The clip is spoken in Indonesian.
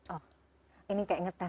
oh ini kayak ngetesin aja ya